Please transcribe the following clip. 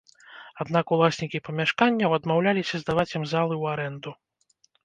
Аднак уласнікі памяшканняў адмаўляліся здаваць ім залы ў арэнду.